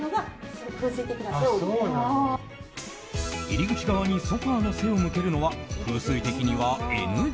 入り口側にソファの背を向けるのは風水的にはＮＧ。